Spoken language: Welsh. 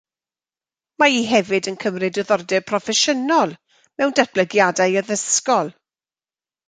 Mae hi hefyd yn cymryd diddordeb proffesiynol mewn datblygiadau addysgol